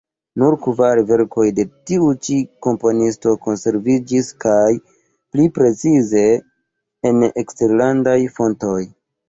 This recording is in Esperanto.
Nur kvar verkoj de tiu ĉi komponisto konserviĝis kaj, pli precize, en eksterlandaj fontoj.